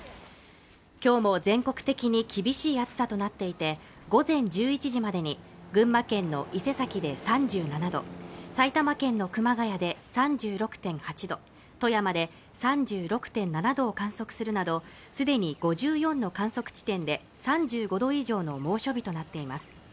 今日も全国的に厳しい暑さとなっていて午前１１時までに群馬県の伊勢崎で３７度埼玉県の熊谷で３６．８度富山で３６．７度を観測するなどすでに５４の観測地点で３５度以上の猛暑日となっています